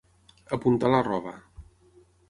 Apuntar la roba.